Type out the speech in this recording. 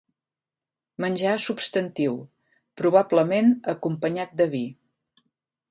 Menjar substantiu, probablement acompanyat de vi.